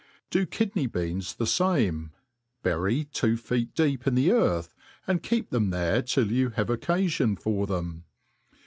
D^ kidney^beans the fame ; bury two feet deep in the earth, and keep them there till you have^occafioti for theno.